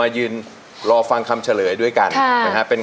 สามหมื่นนะเงินที่สะสมมาด้วยกันน้องนบ